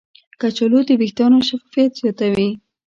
کچالو د ویښتانو شفافیت زیاتوي.